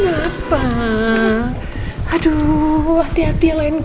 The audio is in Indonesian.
maaf pak saya mau bicara sebentar sama bapak